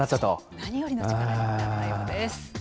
何よりの力になったようです。